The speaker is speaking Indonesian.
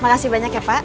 makasih banyak ya pak